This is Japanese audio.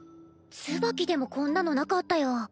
ツバキでもこんなのなかったよ。